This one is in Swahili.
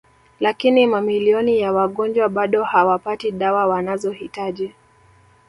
Lakini mamilioni ya wagonjwa bado hawapati dawa wanazohitaji